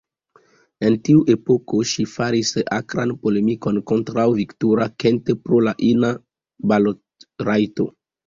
En tiu epoko ŝi faris akran polemikon kontraŭ Victoria Kent pro la ina balotrajto.